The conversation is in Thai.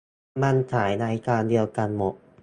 มันฉายรายการเดียวกันหมด